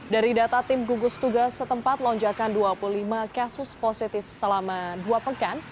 dari data tim gugus tugas setempat lonjakan dua puluh lima kasus positif selama dua pekan